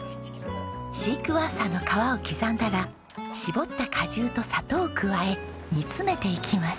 シークワーサーの皮を刻んだら搾った果汁と砂糖を加え煮詰めていきます。